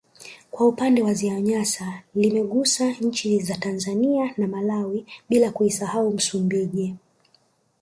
Kwa upande wa ziwa Nyasa limezigusa nchi za Tanzania na Malawi bila kuisahau Msumbiji